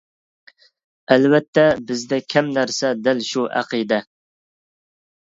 ئەلۋەتتە، بىزدە كەم نەرسە دەل شۇ ئەقىدە.